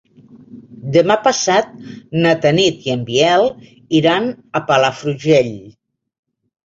Demà passat na Tanit i en Biel iran a Palafrugell.